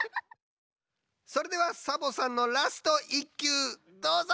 それではサボさんのラスト１きゅうどうぞ！